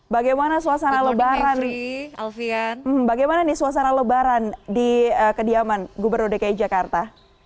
bagaimana suasana lebaran di kediaman gubernur dki jakarta